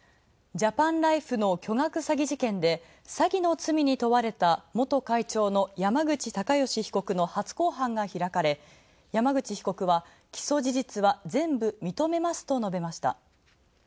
ジャパンライフの巨額詐欺事件で詐欺の罪にとわれた元会長の山口隆祥被告の初公判が開かれ、山口被告は起訴事実は全部、認めますと述べました。